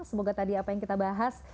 semoga tadi apa yang kita bahas